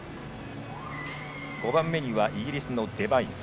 ５番目にイギリスのデバイン。